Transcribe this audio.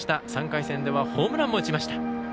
３回戦ではホームランも打ちました。